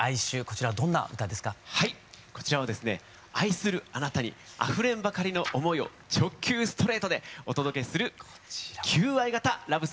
こちらはですね愛するあなたにあふれんばかりの思いを直球ストレートでお届けする求愛型ラブソングとなっております。